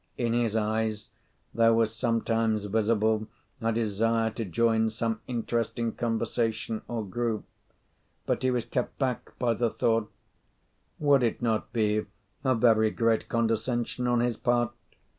In his eyes there was sometimes visible a desire to join some interesting conversation or group; but he was kept back by the thought, "Would it not be a very great condescension on his part?